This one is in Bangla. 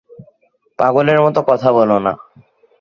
পাগলের মত কথা বোলো না।